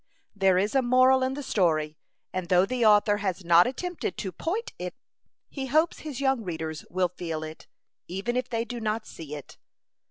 There is a moral in the story, and though the author has not attempted to "point" it, he hopes his young readers will feel it, even if they do not see it.